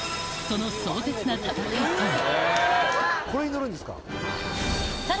その壮絶な戦いとは。